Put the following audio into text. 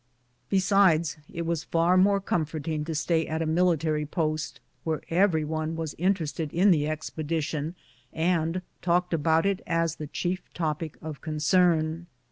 Besides, it was far more comforting to stay at a military post, where every one was interested in the expedition, and talked about it as the chief topic of concern.